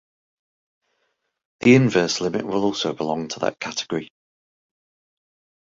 The inverse limit will also belong to that category.